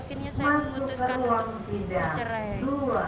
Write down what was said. akhirnya saya memutuskan untuk bercerai